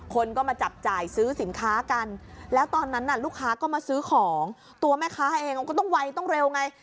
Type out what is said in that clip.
คนก็มาจับจ่ายซื้อสินค้ากันแล้วตอนนั้นน่ะลูกค้าก็มาซื้อของตัวแม่ค้าเองมันก็ต้องไวต้องเร็วไง